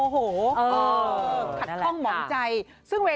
พูดแบบสะใจจริงอะ